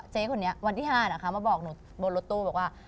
เจ๊คนนี้วันที่๕นะคะมาบอกหนูบนรถตู้บอกว่า